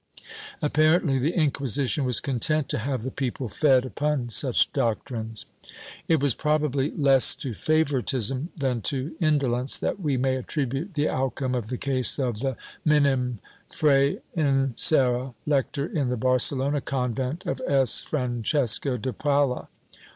Apparently the Inquisition was content to have the people fed upon such doctrines. It was probably less to favoritism than to indolence that we may attribute the outcome of the case of the Minim, Fray N. Serra, lector in the Barcelona convent of S. Francesco de Paula.